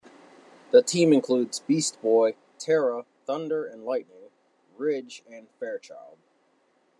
The team includes Beast Boy, Terra, Thunder and Lightning, Ridge and Fairchild.